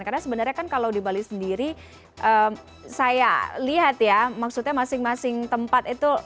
karena sebenarnya kan kalau di bali sendiri saya lihat ya maksudnya masing masing tempat itu